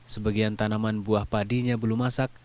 sebagian tanaman buah padinya belum masak